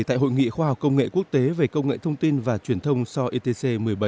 tại hội nghị khoa học công nghệ quốc tế về công nghệ thông tin và truyền thông sau etc một mươi bảy